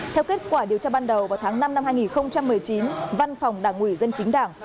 theo kết quả điều tra ban đầu vào tháng năm năm hai nghìn một mươi chín văn phòng đảng ủy dân chính đảng